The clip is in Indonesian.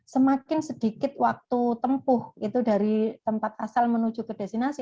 semakin sedikit waktu tempuh itu dari tempat asal menuju ke destinasi